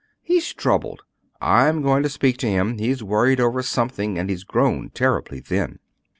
He's troubled. I'm going to speak to him. He's worried over something; and he's grown terribly thin."